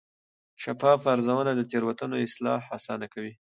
شفافه ارزونه د تېروتنو اصلاح اسانه کوي.